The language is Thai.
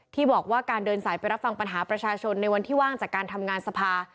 ที่บอกว่าการเดินสายไปรับฟังปัญหาประชาชนในวันที่ว่างจากการทำงานสภา